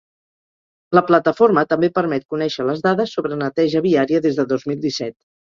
La plataforma també permet conèixer les dades sobre neteja viària des de dos mil disset.